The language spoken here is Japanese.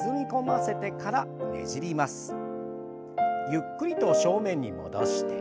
ゆっくりと正面に戻して。